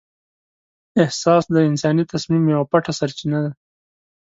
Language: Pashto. احساس د انساني تصمیم یوه پټه سرچینه ده.